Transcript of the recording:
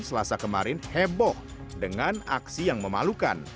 selasa kemarin heboh dengan aksi yang memalukan